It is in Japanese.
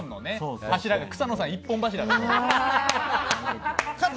草野さん一本柱だから。